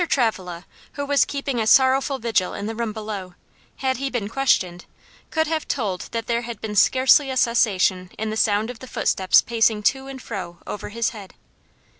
Travilla, who was keeping a sorrowful vigil in the room below, had he been questioned, could have told that there had been scarcely a cessation in the sound of the footsteps pacing to and fro over his head.